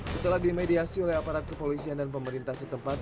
setelah dimediasi oleh aparat kepolisian dan pemerintah setempat